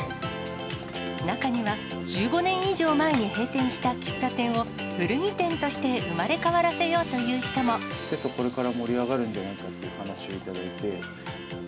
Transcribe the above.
中には、１５年以上前に閉店した喫茶店を古着店として生まれ変わらせよう瀬戸、これから盛り上がるんじゃないかという話をいただいて。